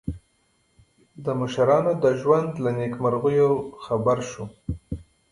د مشرانو د ژوند له نېکمرغیو خبر شو.